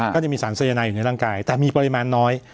ก็จะมีสารสายนายอยู่ในร่างกายแต่มีปริมาณน้อย